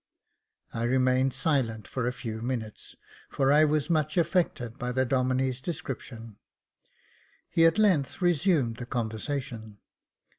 I remained silent for a few minutes, for I was much affected by the Domlne's description j he at length resumed the conversation.